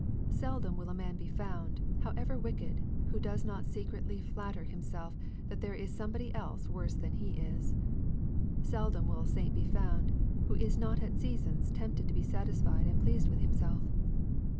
Seldom will a man be found, however wicked, who does not secretly flatter himself that there is somebody else worse than he is. Seldom will a saint be found who is not at seasons tempted to be satisfied and pleased with himself.